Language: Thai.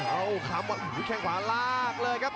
เอาคำว่าแข้งขวาลากเลยครับ